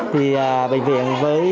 thì bệnh viện với